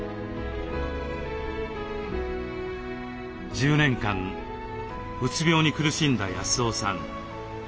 １０年間うつ病に苦しんだ康雄さん。